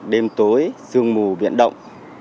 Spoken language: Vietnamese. đêm tối dương mù biển động